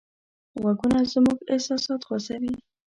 غږونه زموږ احساسات خوځوي.